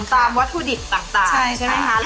ตามวัตถุดิบต่างใช่ไหมคะ